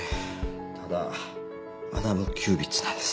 ただアダムキュービッツなんです。